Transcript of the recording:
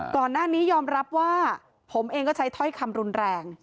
ก่อนหน้านี้ยอมรับว่าผมเองก็ใช้ถ้อยคำรุนแรง